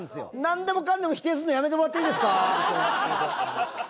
なんでもかんでも否定するのやめてもらっていいですか？